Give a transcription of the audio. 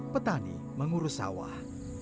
petani mengurus sawah